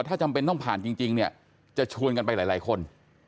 ถ้าจำเป็นต้องผ่านจริงเนี่ยจะชวนกันไปหลายคน